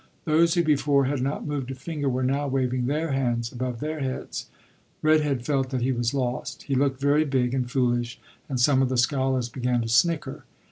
Those who before had not moved a finger were now waving their hands above their heads. "Red Head" felt that he was lost. He looked very big and foolish, and some of the scholars began to snicker.